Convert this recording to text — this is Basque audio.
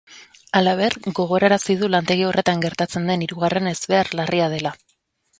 Halaber, gogorarazi du lantegi horretan gertatzen den hirugarren ezbehar larria dela.